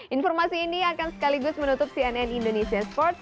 informasi ini akan sekaligus menutup cnn indonesia sports